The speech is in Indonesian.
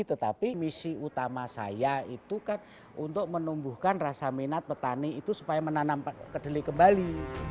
tetapi misi utama saya itu kan untuk menumbuhkan rasa minat petani itu supaya menanam kedelai kembali